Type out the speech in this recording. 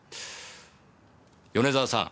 米沢さん